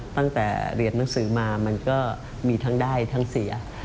ตั้งแต่เรียนหนังสือมามันก็มีทั้งได้ทั้งเสีย